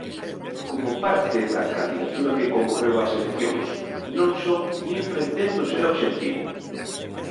Como parte da candidatura que concorreu ás eleccións non son nin pretendo ser obxectivo.